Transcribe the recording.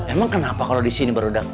emang kenapa kalau di sini pak rudak